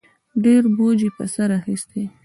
ډېر بوج یې په سر اخیستی